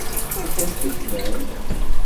Ad tent-ddmen?